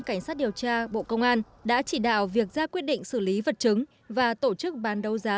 cảnh sát điều tra bộ công an đã chỉ đạo việc ra quyết định xử lý vật chứng và tổ chức bán đấu giá